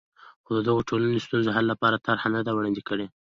خو د دغو ټولنو ستونزو حل لپاره طرحه نه ده وړاندې کړې.